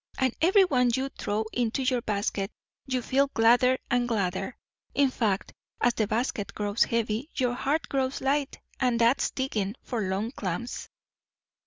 And every one you throw into your basket you feel gladder and gladder; in fact, as the basket grows heavy, your heart grows light. And that's diggin' for long clams."